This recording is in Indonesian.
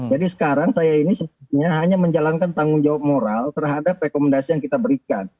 jadi sekarang saya ini hanya menjalankan tanggung jawab moral terhadap rekomendasi yang kita berikan